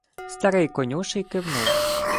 Старий конюший кивнув.